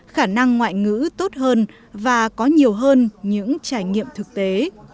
khả năng ngoại ngữ tốt hơn và có nhiều hơn những trải nghiệm thực tế